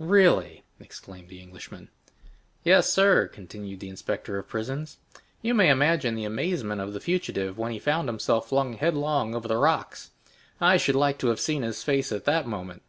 "Really!" exclaimed the Englishman. "Yes, sir," continued the inspector of prisons. "You may imagine the amazement of the fugitive when he found himself flung headlong over the rocks! I should like to have seen his face at that moment."